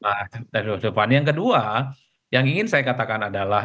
nah dari luar depan yang kedua yang ingin saya katakan adalah